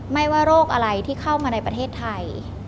ไม่ว่าโรคอะไรที่เข้ามาในประเทศไทย